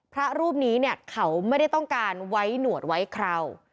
พระรูปนี้เนี่ยเขาไม่ได้ต้องการไว้หนวดไว้คราว